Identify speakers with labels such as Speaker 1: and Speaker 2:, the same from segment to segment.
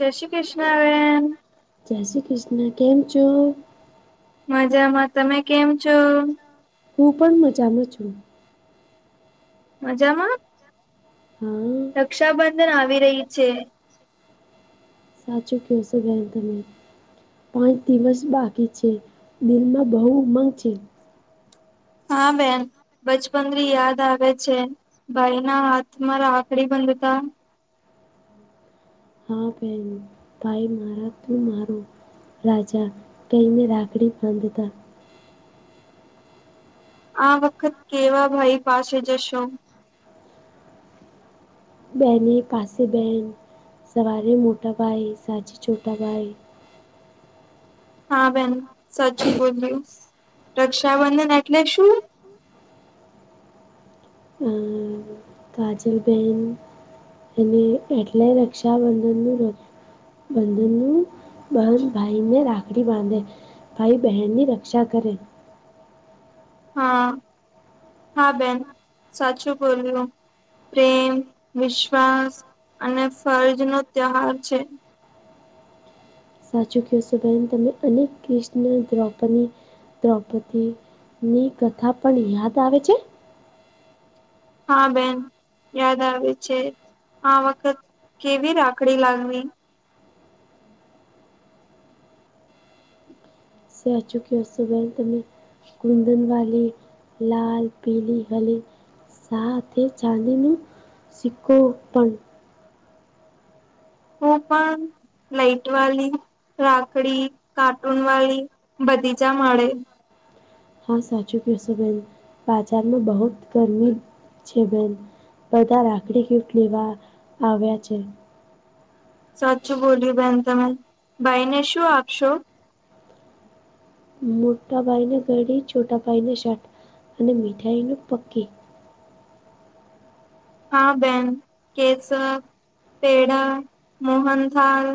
Speaker 1: જય શ્રી કૃષ્ણવેન.
Speaker 2: જય શ્રી કૃષ્ણ, કેમ છો?
Speaker 1: મજામાં. તમે કેમ છો?
Speaker 2: હું પણ મજામાં છું.
Speaker 1: મજામાં?
Speaker 2: હમ.
Speaker 1: રક્ષાબંધન આવી રહ્યો છે.
Speaker 2: સાચું [inaudible] પાંચ દિવસ બાકી છે. દિલમાં બહુ ઉમંગ છે.
Speaker 1: હા બેન. બચપનથી યાદ આવે છે. ભાઈ ના હાથમાં રાખડી બંધતા
Speaker 2: હા બેન ભાઈ મારા તું મારું. હા ચાલ તો મેં રાત્રે [unintelligible]
Speaker 1: આ વખત કેવા ભાઈ પાસે જશો?
Speaker 2: બહેને પાસે બેહેન સવારે મોટા ભાઈ સાંજે છોટા ભાઈ.
Speaker 1: હા બેન સાચું બોઈલી. રક્ષાબંધન એટલે શું?
Speaker 2: હમ. કાજલ બહેન એને એટલે રક્ષાબંધન નું હત બંધનનું બ ભાઈને રાખડી બાંધે ભાઈ બહેનની રક્ષા કરે.
Speaker 1: હા હા બેન સાચું બોલ્યું. પ્રેમ, વિશ્વાસ અને ફરજ નો તહેવાર છે.
Speaker 2: સાચું કહેશો બહેન તમે અને કૃષ્ણના દ્રૌપદી દ્રૌપદીની કથા પણ યાદ આવે છે.
Speaker 1: હા બેન યાદ આવે છે આ વખત કેવી રાખડી લાવવી?
Speaker 2: સાચું કહો છો બેન તમે કુંદન વાલી લાલ, પીલી, હલી સાથે ચાંદીનું સીકકો પણ
Speaker 1: ઓ પણ લાઇટ વાલી રાખડી, કાર્ટૂન વાલી બધીજા મળે.
Speaker 2: હા સાચું કેશો બેન બાજારમાં બહુ ગરમી છે બેન બધા રાખડી ગિફ્ટ લેવા આવ્યા છે.
Speaker 1: સાચું બો‌‌લ્યુ બેન તમે ભાઈને શું આપશો??
Speaker 2: મોટા ભાઈને ઘડી, છોટા ભાઈને શર્ટ અને મીઠાઈનું પકેટ.
Speaker 1: હા બેન કેશર પેડા, મોહન થાલ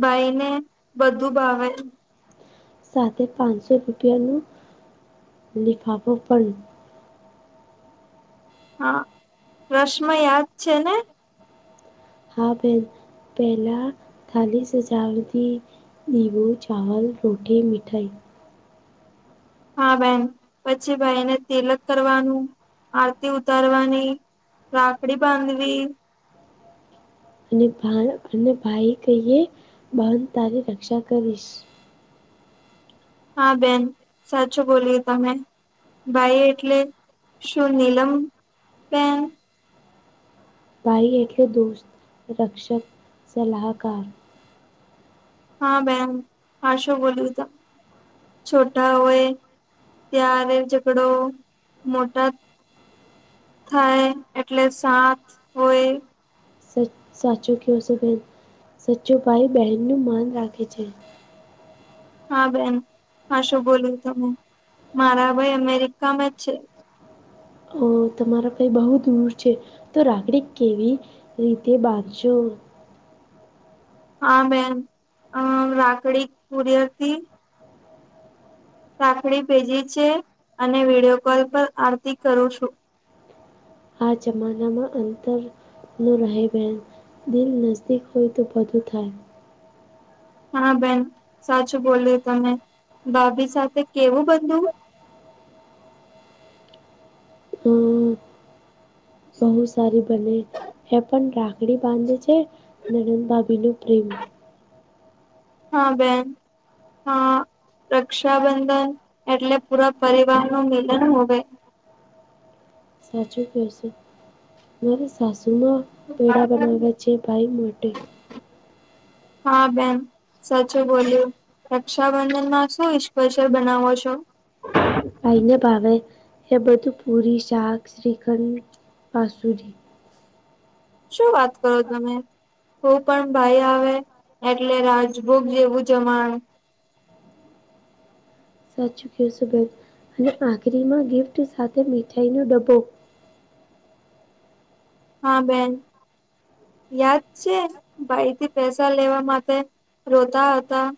Speaker 1: ભાઈ ને બધું ભાવે.
Speaker 2: સાથે પાંચસો રૂપિયા નો લિફાફો પણ.
Speaker 1: હા રસમો યાદ છે ને?
Speaker 2: હા બેન પહેલા થાલી સજાવથી દીવો, ચાવલ [unintelligible] મીઠાઈ
Speaker 1: હા બેન પછી ભાઈને તિલક કરવાનું, આરતી ઉતારવાની રાખડી બાંધવી
Speaker 2: અને અને ભાઈ કહીએ બેન તારી રક્ષા કરીશ.
Speaker 1: હા બેન સાચું બોલ્યુ તમે. ભાઈ એટલે શું નીલમ પેન
Speaker 2: ભાઈ એટલે દોસ્ત, રક્ષક, સલાહકાર.
Speaker 1: હા બેન હાશું બોલ્યું તમ છોટાઓ એ ત્યારે ઝગડો મોટા થાય એટલે સાથ હોય.
Speaker 2: સાચું કયો સો બેન સાચો ભાઈ બહેન નું માન રાખે છે.
Speaker 1: હા બેન હાશું બોલું તમે મારા ભાઈ અમેરિકામાં છે.
Speaker 2: અ તમારા ભાઈ બહુ દૂર છે તો રાખડી કેવી? રીતે બાંધશો.
Speaker 1: હા બેન અ રાખડી કુરિયરથી રાખડી ભેજી છે અને વિડિયો કોલ પર આરતી કરું છું.
Speaker 2: આ જમાના માં અંતર નો રહે બેન દિલ નજદીક હોય તો બધું થાય.
Speaker 1: હા બેન સાચું બોલ્યુ તમે ભાભી સાથે કેવું બધું
Speaker 2: હમ બહુ સારી બને હે પણ રાખડી બાંધે છે નણંદભાભી નું પ્રેમ.
Speaker 1: હા બેન. હા રક્ષાબંધન એટલે પૂરા પરિવાર નું મિલન હોવે.
Speaker 2: સાચું કેહે સે મેરી સાસુંમાં પેડા બનાવયા છે ભાઈ માટે.
Speaker 1: હા બેહન સાચું બોલ્યું રક્ષાબંધન માં શું ઈસ્પેશયલ બનાવો છો?
Speaker 2: ભાઈને ભાવે એ બધું પૂરી, શાક, શીખંડ, બાસુદી.
Speaker 1: શું વાત કરો તમે? તો પણ ભાઈ આવે એટલે રાજભોગ જેવું જમાણ.
Speaker 2: સાચું કેસે બેન અને આખરીમાં ગિફ્ટ સાથે મીઠાઈનો ડબ્બો.
Speaker 1: હા બેન. યાદ છે ભાઈથી પૈસા લેવા માટે રોતા હતા.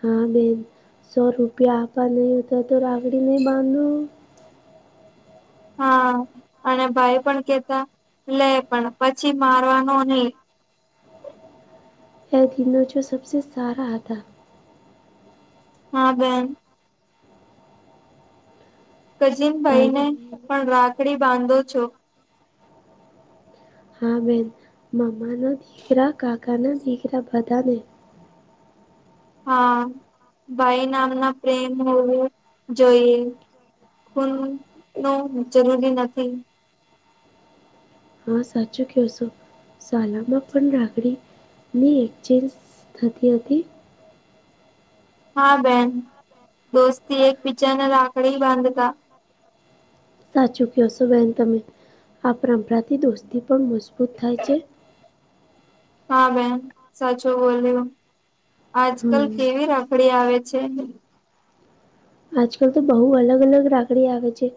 Speaker 2: હા બેન સો રૂપિયા આપવા નહીં હતા તો રાખડી નય બાંઘુ
Speaker 1: હા અને ભાઈ પણ કેતા લે પણ પછી મારવાનો નય
Speaker 2: એ દિવસો સબસે સારા હતા.
Speaker 1: હા બેન. ક્ઝીન ભાઈ ને પણ રાખડી બાંધો છો.
Speaker 2: હા બેન મામાના દીકરા, કાકાના દીકરા બધા ને
Speaker 1: હા ભાઈ નામના પ્રેમ હોવું જોઈએ. ખૂન નો જરૂરી નથી
Speaker 2: હા સાચું કેવ સો શાલામાં પણ રાખડીની એક્ચેન્જ થતી હતી.
Speaker 1: હા બેન દોસ્તી એક બીજાના રાખડી બાંધતા
Speaker 2: સાચું ક્યોશો બેહન તમે આ પરંપરાથી દોસ્તી પણ મજબૂત થાય છે.
Speaker 1: હા બેન સાચું બોલ્યુ આજ કલ
Speaker 2: હમ્મ.
Speaker 1: કેવી રાખ પકડી આવે છે.
Speaker 2: આજકાલ તો બહુ અલગ અલગ રાખડી આવે છે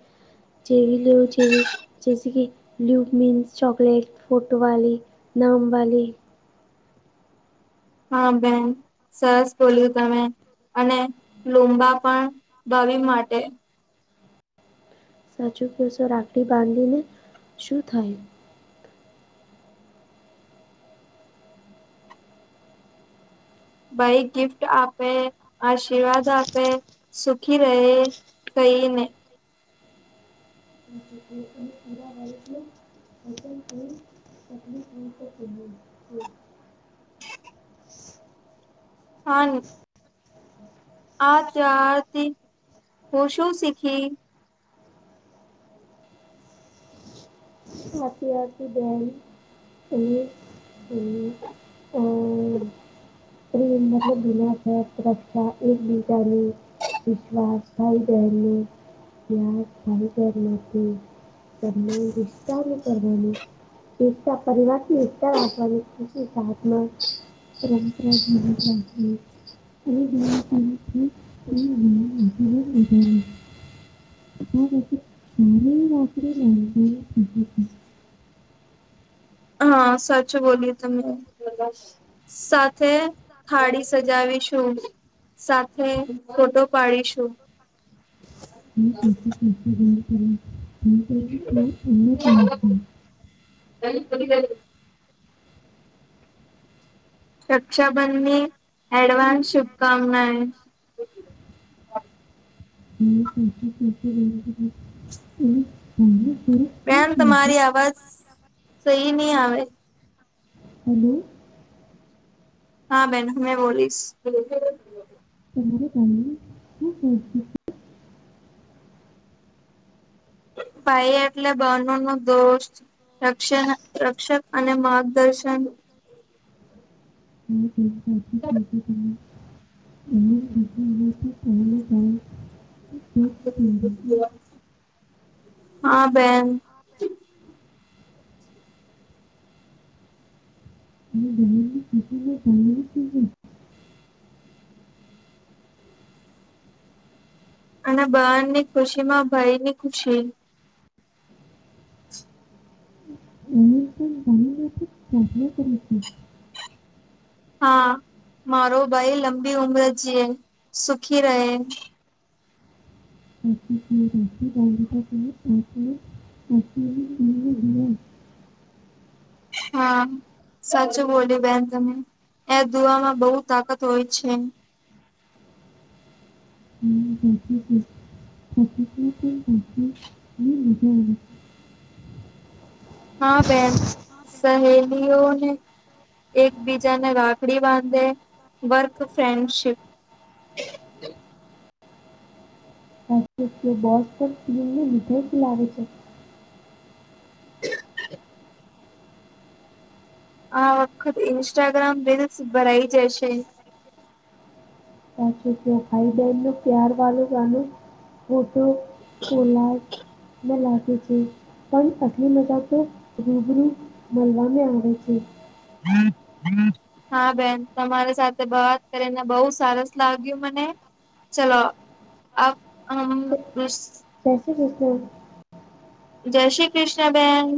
Speaker 2: જેવી લેવું જેવી જૈસે કે [unintelligible] ચોકલેટ ફોટો વાલી, નામ વાલી
Speaker 1: હા બેન. સરસ બોલ્યું તમે અને લુમ્બા પણ ભાભી માટે.
Speaker 2: સાચું કેસો રાખડી બાંધીને શું થાય?
Speaker 1: ભઈ ગિફ્ટ આપે, આશીર્વાદ આપે, સુખી રહે. કઈને
Speaker 2: [inaudible] [unintelligible] [inaudible] [inaudible]
Speaker 1: કા ની આ ત્યાંથી તું શું શીખી?
Speaker 2: સાચુ બેન હમમ હમમ પ્રેમ મતલબ બિના શહેર સુરક્ષા એક બીજાની વિશ્વાસ થાઈ ધને યાસ ખાઈ ધથી કર ષાનું પરમાની [inaudible] એકટા પરિવારથી એકતા રાખવાની સાધ તપજઞ હા એભ [unintelligible] [inaudible] [inaudible]
Speaker 1: હા સાચું બોલ્યુ તમે કદાચ સાથે થાળી સજાવીશું. સાથે ફોટો પાડીશું.
Speaker 2: [inaudible]
Speaker 1: [inaudible] રક્ષાબંધની, એડવાન્સ શુભકામનાએ.
Speaker 2: [unintelligible]
Speaker 1: બેન તમારી
Speaker 2: થયો
Speaker 1: અવાજ સહી નહી આવે.
Speaker 2: હેલો. [unintelligible]
Speaker 1: હા બેન હવે બોલીશ.
Speaker 2: તમારે [unintelligible] શું જોઈ છે.
Speaker 1: ભાઈ એટલે બેનો નો દોસ્ત. રક્ષણ રક્ષક અને માર્ગદર્શન
Speaker 2: [unintelligible] ચોક પહેરે
Speaker 1: હા બેન.
Speaker 2: [unintelligible]
Speaker 1: અને બહન ની ખુશી માં ભાઈ ની ખુશી.
Speaker 2: પણ બનને ખ પ્રશ્નો કરી છે. [unintelligible]
Speaker 1: હા, મારો ભાઈ લંબી ઉમર જે, સુખી રહે.
Speaker 2: [unintelligible] હું બોલું છું એ તમને ખબર પડછ? [unintelligible] તો તો હું બોલું ધીમું? [unintelligible]
Speaker 1: હા. સાચું બોલી બેન તને, એ દુવામાં બહુ તાકાત હોય છે.
Speaker 2: [unintelligible] [unintelligible] [unintelligible]
Speaker 1: હા બેન, સહેલીઓને એકબીજાને રાખડી બાંધે, વર્ક ફ્રેન્ડશીપ.
Speaker 2: આવે બોસ કમ તો રીતે જ લાગે છે.
Speaker 1: [inaudible] આ વખત ઇન્સ્ટાગ્રામ રિલસ ભરાઈ જશે.
Speaker 2: સાચું છે ભાઈ બહેનનું પ્યાર વાલો. ફોટો ખોલાય. ન લાગે છે, પણ આટલી મજા તો રૂબરૂ મળવામાં આવે છે.
Speaker 1: હા બેન તમારી સાથે વાત કરીને બહુ સરસ લાગ્યું મને. ચલો આ હમ.
Speaker 2: જય શ્રી કૃષ્ણ.
Speaker 1: જય શ્રી કૃષ્ણ બેન.